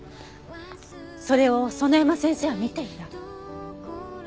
それを園山先生は見ていた。